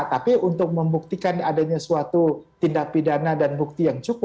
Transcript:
tapi untuk membuktikan adanya suatu tindak pidana dan buktikan